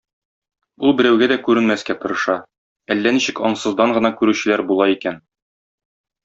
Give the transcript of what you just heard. Ул берәүгә дә күренмәскә тырыша, әллә ничек аңсыздан гына күрүчеләр була икән.